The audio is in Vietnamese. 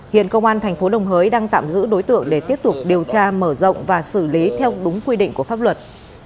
hiện công an thành phố đồng hới đang tạm giữ đối tượng để tiếp tục điều tra mở rộng và xử lý theo đúng quy định của pháp luật